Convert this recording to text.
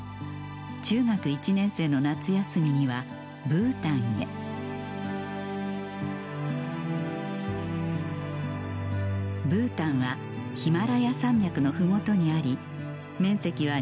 中学１年生の夏休みにはブータンへブータンはヒマラヤ山脈の麓にあり面積は